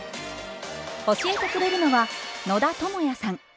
教えてくれるのは野田智也さん。